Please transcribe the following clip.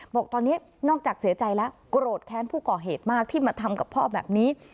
บอกตอนนี้นอกจากเสียใจแล้วโกรธแค้นผู้ก่อเหตุมากที่มาทำกับพ่อแบบนี้